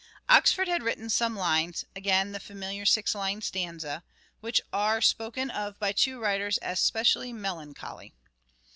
kmg> Oxford had written some lines (again the familiar six lined stanza) which are spoken of by two writers as specially " melancholy."